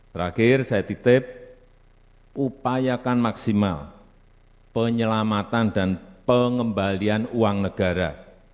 terakhir saya titip upayakan maksimal penyelamatan dan pengembalian uang negara